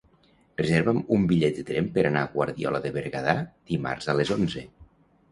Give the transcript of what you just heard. Reserva'm un bitllet de tren per anar a Guardiola de Berguedà dimarts a les onze.